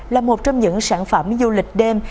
là một trong những sản phẩm du lịch đêm